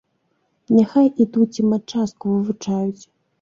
Няхай ідуць і матчастку вывучаюць.